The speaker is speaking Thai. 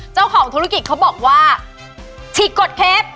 เจ้าของธุรกิจเขาบอกว่าฉีกกดเคฟ